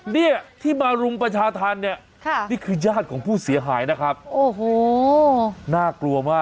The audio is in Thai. นี่ที่มารุมประชาธารณ์นี่คือญาติของผู้เสียหายนะครับโอ้โฮ